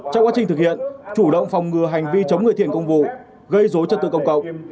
trong quá trình thực hiện chủ động phòng ngừa hành vi chống người thiền công vụ gây dối trật tự công cộng